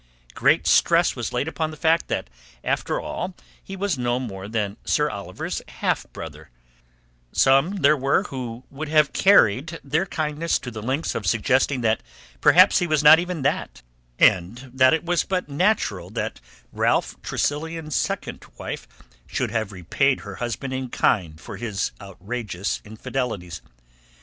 Great stress was laid upon the fact that after all he was no more than Sir Oliver's half brother; some there were who would have carried their kindness to the lengths of suggesting that perhaps he was not even that, and that it was but natural that Ralph Tressilian's second wife should have repaid her husband in kind for his outrageous infidelities.